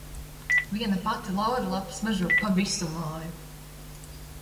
Viena pati lauru lapa smaržo pa visu māju.